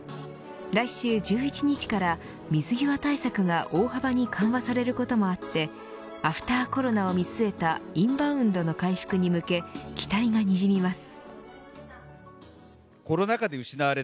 来週１１日から水際対策が大幅に緩和されることもあってアフターコロナを見据えたインバウンドの回復に向け期待がにじみます。